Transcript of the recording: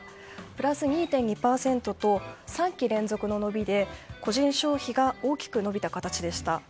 プラス２．２％と３期連続の伸びで個人消費が大きく伸びた形でした。